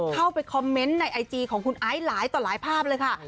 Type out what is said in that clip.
เข้าไปคอมเมนต์ในไอจีของคุณไอซ์หลายต่อหลายภาพเลยค่ะ